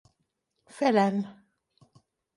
Phelan.